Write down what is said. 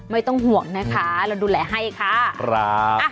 ไม่ต้องห่วงนะคะเราดูแลให้ค่ะครับ